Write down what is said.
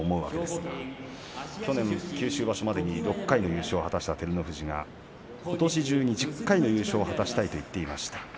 去年、九州場所までに６回の優勝を果たした照ノ富士がことし中に１０回の優勝を果たしたいと言っていました。